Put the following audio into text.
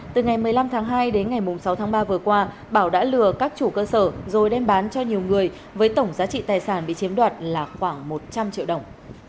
từ ngày một mươi năm tháng hai đến ngày sáu tháng ba vừa qua bảo đã lừa các chủ cơ sở rồi đem bán cho nhiều người với tổng giá trị tài sản bị chiếm đoạt là khoảng một trăm linh triệu đồng